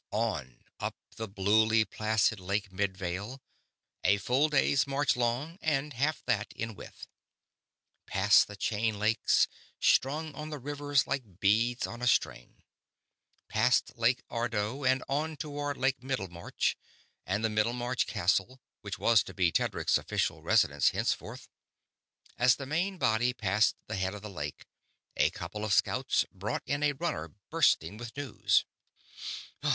On, up the bluely placid Lake Midvale, a full day's march long and half that in width. Past the Chain Lakes, strung on the river like beads on a string. Past Lake Ardo, and on toward Lake Middlemarch and the Middlemarch Castle which was to be Tedric's official residence henceforth. As the main body passed the head of the lake, a couple of scouts brought in a runner bursting with news.